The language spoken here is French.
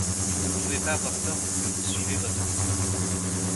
Vous ne pouvez pas avoir tort tant que vous suivez votre instinct.